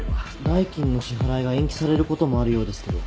代金の支払いが延期されることもあるようですけど。